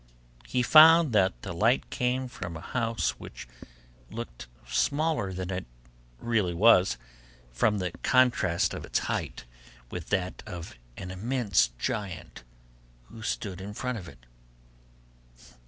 He found that the light came from a house which looked smaller than it really was, from the contrast of its height with that of an immense giant who stood in front of it.